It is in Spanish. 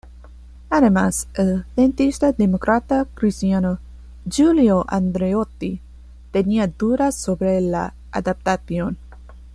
Además, el centrista demócrata cristiano Giulio Andreotti tenía dudas sobre la adaptación.